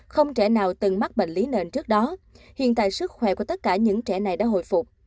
không trẻ nào từng mắc bệnh lý nền trước đó hiện tại sức khỏe của tất cả những trẻ này đã hồi phục